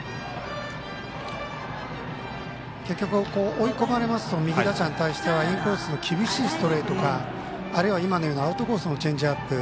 結局、追い込まれますと右打者に対してはインコースの厳しいストレートかあるいは今のようなアウトコースのチェンジアップ。